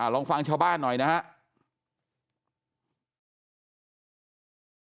ลองฟังชาวบ้านหน่อยนะครับ